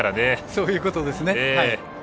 そういうことですね。